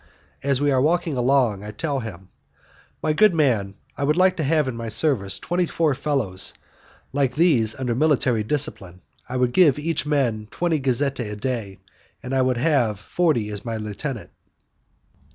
As we are walking along, I tell him, "My good man, I would like to have in my service twenty four fellows like these under military discipline. I would give each man twenty gazzette a day, and you would have forty as my lieutenant."